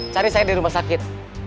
cari saya di rumah sakit